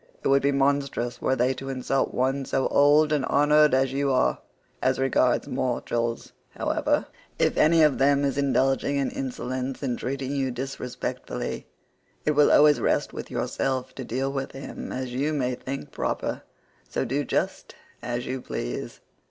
It would be monstrous were they to insult one so old and honoured as you are. As regards mortals, however, if any of them is indulging in insolence and treating you disrespectfully, it will always rest with yourself to deal with him as you may think proper, so do just as you please."